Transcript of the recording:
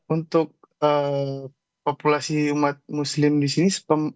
untuk populasi umat muslim di sini